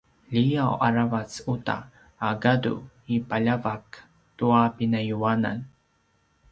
liaw aravac uta a gadu i paljavak tua pinuipayuanan